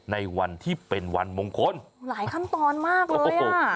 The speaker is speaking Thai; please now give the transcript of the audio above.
ในวันที่เป็นวันมงคลหลายคำตอนมากเลย